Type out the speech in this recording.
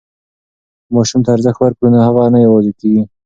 که ماسوم ته ارزښت ورکړو نو هغه نه یوازې کېږي.